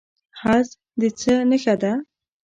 حج د څه نښه ده؟